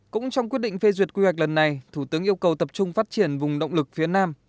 cũng trong quyết định phê duyệt quy hoạch lần này thủ tướng yêu cầu tập trung phát triển vùng động lực phía nam